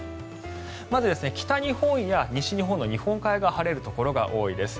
まず北日本、西日本の日本海側晴れるところが多いです。